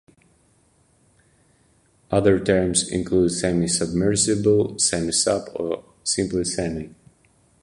Other terms include "semi-submersible", "semi-sub", or simply "semi".